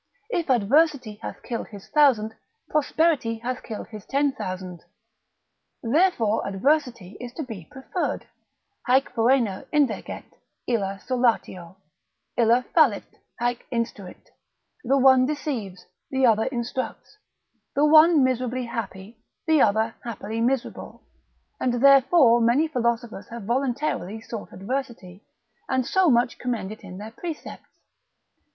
If adversity hath killed his thousand, prosperity hath killed his ten thousand: therefore adversity is to be preferred; haec froeno indiget, illa solatio: illa fallit, haec instruit: the one deceives, the other instructs; the one miserably happy, the other happily miserable; and therefore many philosophers have voluntarily sought adversity, and so much commend it in their precepts.